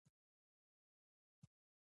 احمد، علي ته په پزه خط وکيښ.